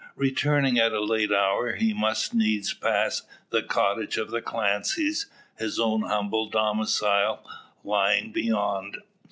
Returning at a late hour, he must needs pass the cottage of the Clancys, his own humble domicile lying beyond.